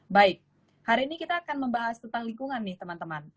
baik hari ini kita akan membahas tentang lingkungan nih teman teman